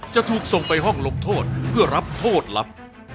จะถูกส่งไปห้องลงโทษเพื่อรับโทษลับ